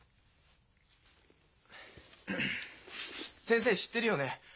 先生知ってるよね？